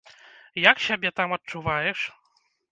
Як сябе там адчуваеш?